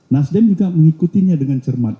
nasdem juga mengikutinya dengan cermat